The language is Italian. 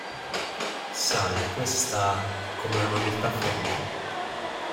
Sai, questa... come una nobiltà ferita.